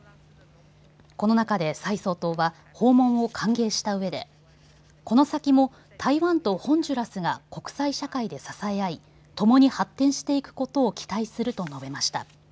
この中で、蔡総統は訪問を歓迎した上でこの先も台湾とホンジュラスが国際社会で支え合い共に発展していくことを期待すると述べました。